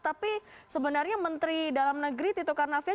tapi sebenarnya menteri dalam negeri tito karnavian